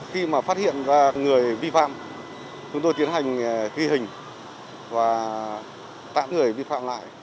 khi mà phát hiện ra người vi phạm chúng tôi tiến hành ghi hình và tạm người vi phạm lại